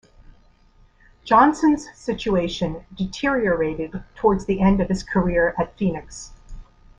Johnson's situation deteriorated towards the end of his career at Phoenix.